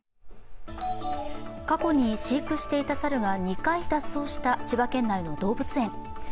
過去に飼育していた猿が２回脱走した千葉県内の動物園。